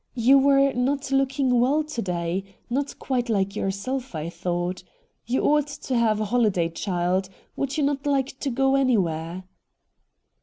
You were not looking well to day — not quite like yourself, I thought. You ought to have a holiday, child. Would you not Hke to go anywhere